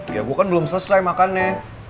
ya bu kan belum selesai makannya